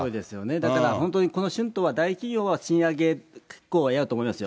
だから、この春闘は、大企業は賃上げ結構やると思いますよ。